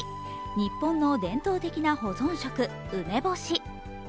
日本の伝統的な保存食・梅干し。